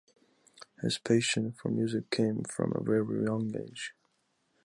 His passion for music came from a very young age.